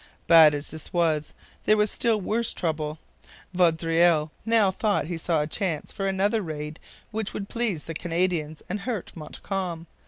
Bad as this was, there was a still worse trouble. Vaudreuil now thought he saw a chance for another raid which would please the Canadians and hurt Montcalm.